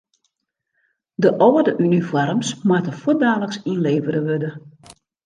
De âlde unifoarms moatte fuortdaliks ynlevere wurde.